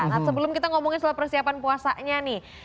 nah sebelum kita ngomongin soal persiapan puasanya nih